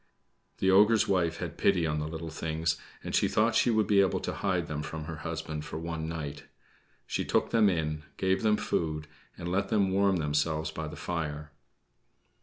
The ogre's wife had pity on the little things, and she thought she would be able to hide them from her husband for one night. She took them in, gave them food, and let them warm themselves by the fire.